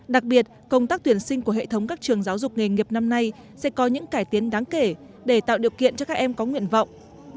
đặc biệt công tác tuyển sinh của hệ thống các trường giáo dục nghề nghiệp năm nay sẽ có những cải tiến đáng kể để tạo điều kiện cho các em có nguyện vọng